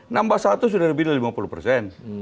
nambah satu sudah lebih dari lima puluh persen